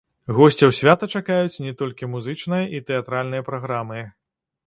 Госцяў свята чакаюць не толькі музычная і тэатральная праграмы.